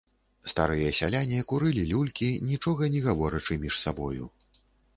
Старыя сяляне курылі люлькі, нічога не гаворачы між сабою.